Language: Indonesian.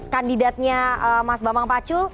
kandidatnya mas bapak pacu